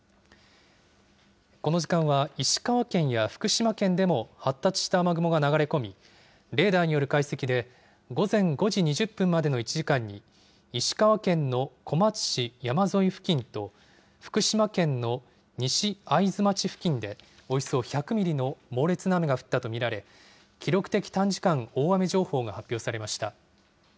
この時間は、石川県や福島県でも発達した雨雲が流れ込み、レーダーによる解析で、午前５時２０分までの１時間に石川県の小松市山沿い付近と、福島県の西会津町付近で、およそ１００ミリの猛烈な雨が降ったと見られ、記録的短時間大雨情報が発表されました。